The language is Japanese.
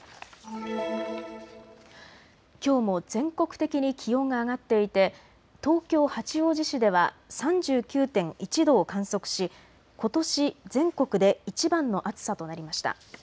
きょうも全国的に気温が上がっていて東京八王子市では３９．１度を観測し、ことし全国でいちばんの暑さとなりました。